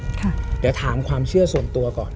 เดี๋ยวถามความเชื่อส่วนตัวก่อน